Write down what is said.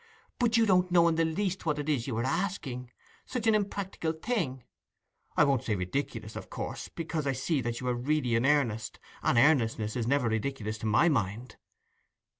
But you don't know in the least what it is you are asking—such an impracticable thing—I won't say ridiculous, of course, because I see that you are really in earnest, and earnestness is never ridiculous to my mind.